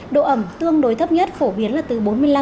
độ ẩm tương đối thấp nhất phổ biến là từ bốn mươi năm năm mươi